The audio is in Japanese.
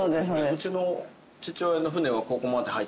うちの父親の舟はここまで入ってた。